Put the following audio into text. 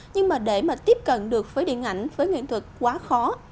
nhưng mà để mà tiếp cận được với điện ảnh với nghệ thuật quá khó